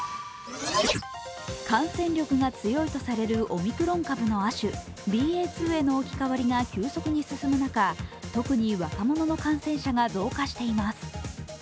感染力が強いとされるオミクロン株の亜種ＢＡ．２への置き換わりが急速に進む中、特に若者の感染者が増加しています。